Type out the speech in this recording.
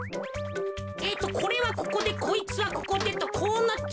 えっとこれはここでこいつはここでとこうなって。